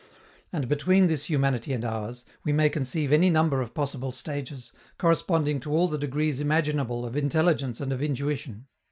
And, between this humanity and ours, we may conceive any number of possible stages, corresponding to all the degrees imaginable of intelligence and of intuition.